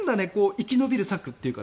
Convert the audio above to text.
生き延びる策というか